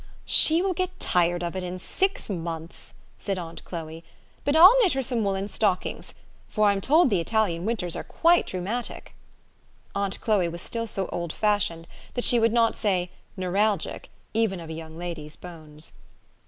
" She will get tired of it in six months," said aunt Chloe ; u but I'll knit her some woollen stockings, for I'm told the Italian winters are quite rheumatic." Aunt Chloe was still so old fashioned, that she would not say, " neuralgic," even of a young lady's bones.